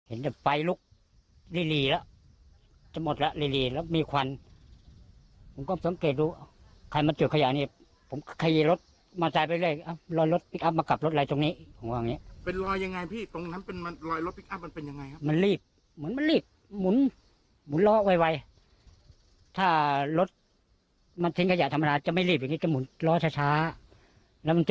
รอช้าแล้วมันจะไม่มีรอยแบบรอยเกาะกระดินเยอะเพราะไงรอยเกาะกระดิน